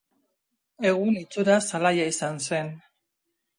Egun itxuraz alaia izan zen.